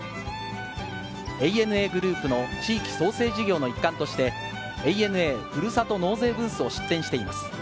ＡＮＡグループの地域創生事業の一環として、ＡＮＡふるさと納税ブースを出展しています。